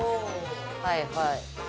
はいはい。